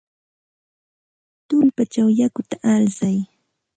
Tullpachaw yakuta alsay.